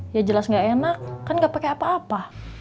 ya jelas nggak enak kan nggak pake apa apa